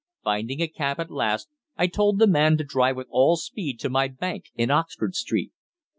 Finding a cab at last, I told the man to drive with all speed to my bank in Oxford Street.